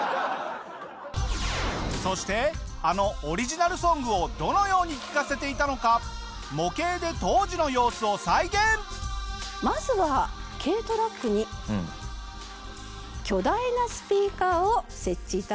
そしてあのオリジナルソングをどのように聞かせていたのかまずは軽トラックに巨大なスピーカーを設置致します。